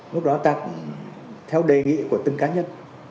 lúc đó ta cũng theo đề nghị của từng cá nhân